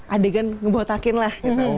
adegan ngebotakin lah